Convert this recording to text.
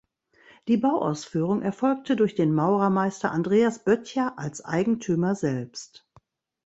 Die Bauausführung erfolgte durch den Maurermeister Andreas Böttcher als Eigentümer selbst.